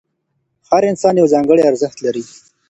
هر انسان یو ځانګړی ارزښت لري.